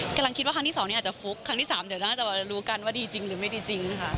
กำลังคิดว่าครั้งที่๒นี้อาจจะฟุกครั้งที่๓เดี๋ยวน่าจะรู้กันว่าดีจริงหรือไม่ดีจริงค่ะ